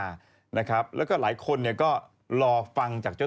ก็คุยกันแล้วพวกมันมีความสุขก็โอเค